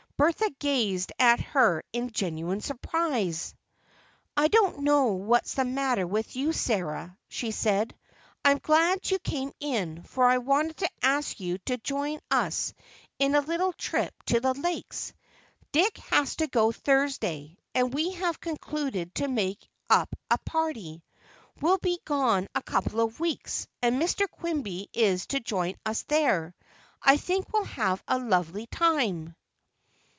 Bertha gazed at her in genuine surprise. "I don't know what's the matter with you, Sarah," she said. "I'm glad you came in, for I wanted to ask you to join us in a little trip to the Lakes. Dick has to go Thursday, and we have concluded to make up a party. We'll be gone a couple of weeks, and Mr. Quimby is to join us there. I think we'll have a lovely time."